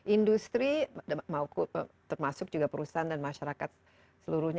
industri termasuk juga perusahaan dan masyarakat seluruhnya